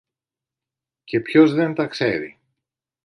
Και ποιος δεν τα ξέρει!